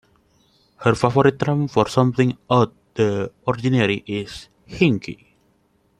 Her favorite term for something out of the ordinary is "hinky".